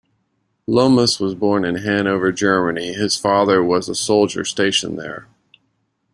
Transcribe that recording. Lomas was born in Hanover, Germany, his father was a soldier stationed there.